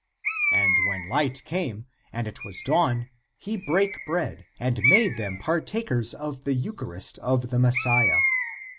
And when Hght came, and it was dawn, he brake bread, and made them partakers of the eucharist of the Messiah.